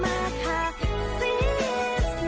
พอได้แล้วค่ะซิสหยุดคิดถึงคนใจร้ายอย่างเขาสักที